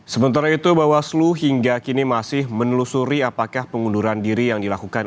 sementara itu bawaslu hingga kini masih menelusuri apakah pengunduran diri yang dilakukan